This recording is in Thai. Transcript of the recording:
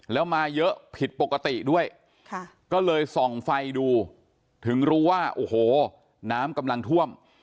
แล้วมาเยอะผิดปกติด้วยก็เลยส่องไฟดูถึงรู้ว่าโอ้โหน้ำกำลังท่วม